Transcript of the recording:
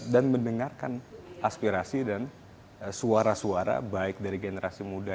dan mendengarkan aspirasi dan suara suara baik dari generasi muda